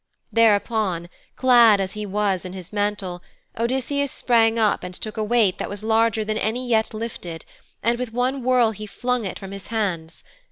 Thereupon, clad as he was in his mantle, Odysseus sprang up and took a weight that was larger than any yet lifted, and with one whirl he flung it from his hands.